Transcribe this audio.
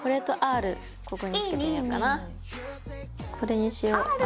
これにしようＲ。